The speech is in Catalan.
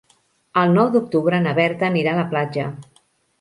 El nou d'octubre na Berta anirà a la platja.